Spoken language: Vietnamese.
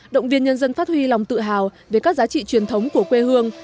động viên nhân dân phát huy lòng tự hào về các giá trị truyền thống của quê hương